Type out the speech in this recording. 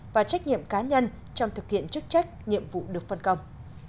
và trách nhiệm cá nhân trong thực hiện chức trách nhiệm vụ được phân công